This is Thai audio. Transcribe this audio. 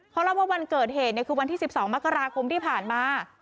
เขาเล่าว่าวันเกิดเหตุคือวันที่๑๒มกราคมที่ผ่านมา